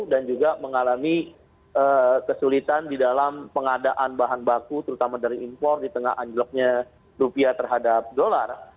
dan juga mengalami kesulitan di dalam pengadaan bahan baku terutama dari impor di tengah anjloknya rupiah terhadap dolar